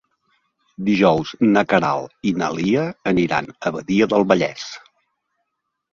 Dijous na Queralt i na Lia aniran a Badia del Vallès.